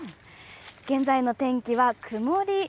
現在の天気は曇り。